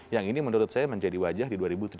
yang ini menurut saya menjadi wajah di dua ribu tujuh belas